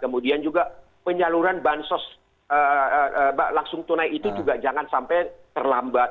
kemudian juga penyaluran bansos langsung tunai itu juga jangan sampai terlambat